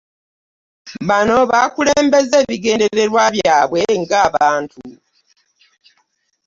Bano baakulembeza ebigendererwa byabwe ng'abantu.